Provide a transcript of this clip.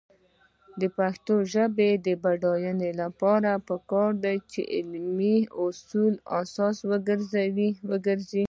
د پښتو ژبې د بډاینې لپاره پکار ده چې علمي اصول اساس وګرځي.